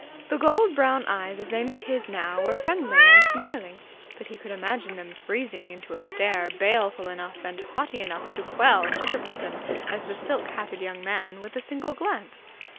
The gold brown eyes, as they met his now, were friendly and smiling, but he could imagine them freezing into a stare baleful enough and haughty enough to quell such a person as the silk hatted young man with a single glance.